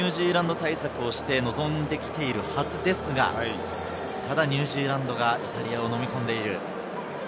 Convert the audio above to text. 万全のニュージーランド対策をして臨んできているはずですが、ニュージーランドがイタリアをのみ込んでいる。